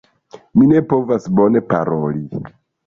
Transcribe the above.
Mi ne povas bone paroli.